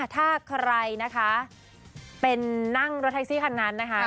ถ้าใครนะคะเป็นนั่งรถแท็กซี่คันนั้นนะคะ